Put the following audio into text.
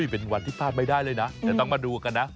เป็นวันที่พลาดไม่ได้เลยนะแต่ต้องมาดูกันนะ